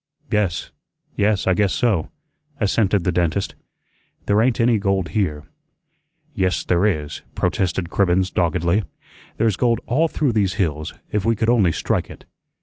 "Yes, yes, I guess so," assented the dentist. "There ain't any gold here." "Yes, there is," protested Cribbens doggedly; "there's gold all through these hills, if we could only strike it.